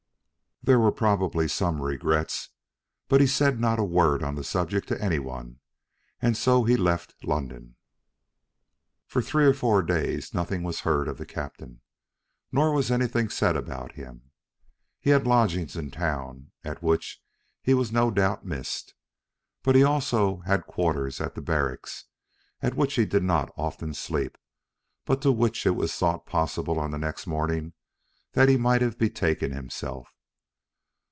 There were probably some regrets, but he said not a word on the subject to any one, and so he left London. For three or four days nothing was heard of the captain, nor was anything said about him. He had lodgings in town, at which he was no doubt missed, but he also had quarters at the barracks, at which he did not often sleep, but to which it was thought possible on the next morning that he might have betaken himself.